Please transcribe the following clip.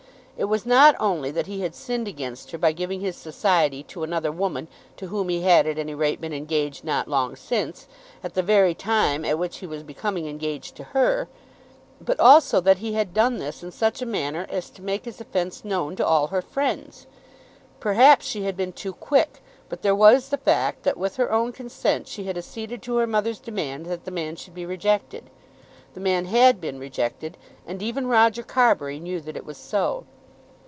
It was not only that he had sinned against her by giving his society to another woman to whom he had at any rate been engaged not long since, at the very time at which he was becoming engaged to her, but also that he had done this in such a manner as to make his offence known to all her friends. Perhaps she had been too quick; but there was the fact that with her own consent she had acceded to her mother's demand that the man should be rejected. The man had been rejected, and even Roger Carbury knew that it was so.